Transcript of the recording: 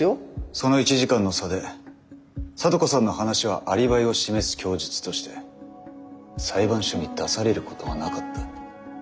その１時間の差で咲都子さんの話はアリバイを示す供述として裁判所に出されることはなかった。